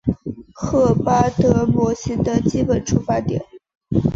赫巴德模型的基本出发点。